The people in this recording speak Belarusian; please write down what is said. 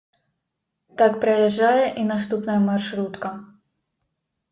Так праязджае і наступная маршрутка.